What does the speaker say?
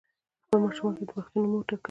خپل ماشومانو ته پښتو نوم وټاکئ